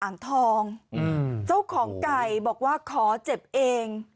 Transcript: อ่างทองอืมเจ้าของไก่บอกว่าขอเจ็บเอง